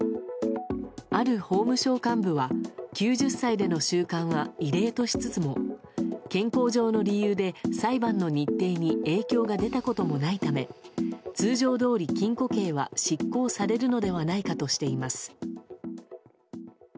ある法務省幹部は９０歳での収監は異例としつつも健康上の理由で裁判の日程に影響が出たこともないため通常どおり、禁錮刑は執行されるのではないかとしています。